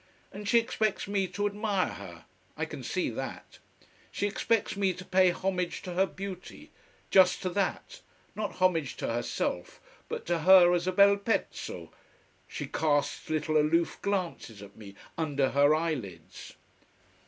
And she expects me to admire her: I can see that. She expects me to pay homage to her beauty: just to that: not homage to herself, but to her as a bel pezzo. She casts little aloof glances at me under her eyelids.